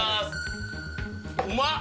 うまっ！